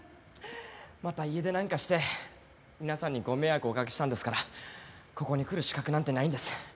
また家出なんかして皆さんにご迷惑をおかけしたんですからここに来る資格なんてないんです。